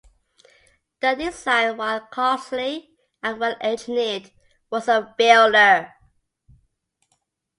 The design, while costly and well engineered, was a failure.